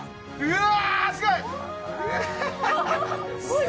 うわすごい！